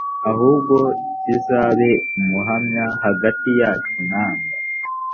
ahubwo kizabe umuhamya hagati yacu namwe